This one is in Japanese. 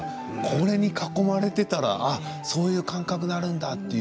これに囲まれていたらそういう感覚になるんだって。